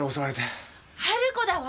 ハル子だわ！